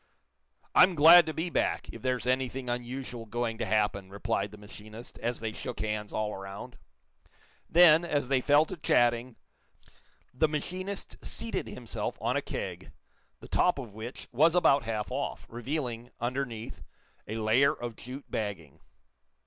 "I'm glad to be back, if there's anything unusual going to happen," replied the machinist, as they shook hands all around. Then, as they fell to chatting, the machinist seated himself on a keg, the top of which was about half off, revealing, underneath, a layer of jute bagging.